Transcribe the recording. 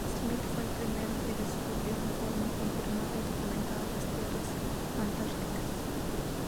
Smith fue el primero que descubrió en forma confirmada y documentada las tierras antárticas.